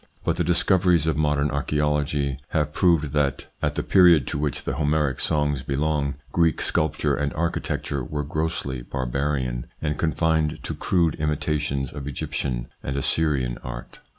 But the discoveries of modern archaeology have proved that, at the 68 THE PSYCHOLOGY OF PEOPLES : period to which the Homeric songs belong, Greek sculpture and architecture were grossly barbarian, and confined to crude imitations of Egyptian and Assyrian art.